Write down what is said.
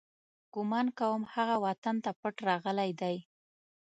ګمان کوم، هغه وطن ته پټ راغلی دی.